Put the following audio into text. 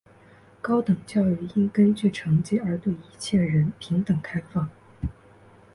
高等教育应根据成绩而对一切人平等开放。